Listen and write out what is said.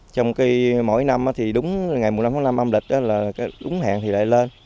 trong cái mỗi năm thì đúng ngày mùa năm tháng năm âm lịch là đúng hẹn thì lại lên